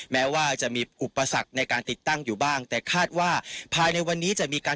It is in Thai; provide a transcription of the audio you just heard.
แม้ว่าจะมีอุปสรรคในการติดตั้งอยู่บ้างแต่คาดว่าภายในวันนี้จะมีการ